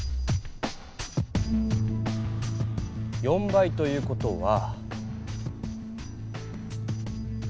４倍という事は。